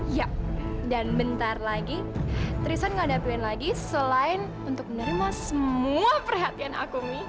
yap dan bentar lagi tristan gak ada pilihan lagi selain untuk menerima semua perhatian aku mi